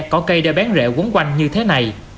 có cây đeo bán rẹo quấn quanh như thế này